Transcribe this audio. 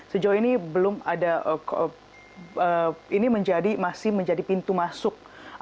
sejauh ini belum ada ini masih menjadi pintu masuk